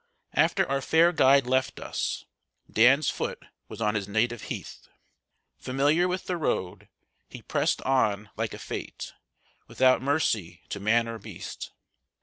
After our fair guide left us, Dan's foot was on his native heath. Familiar with the road, he pressed on like a Fate, without mercy to man or beast.